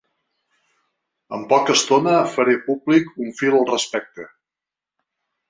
En poca estona faré públic un fil al respecte.